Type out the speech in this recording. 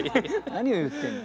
何を言ってんの。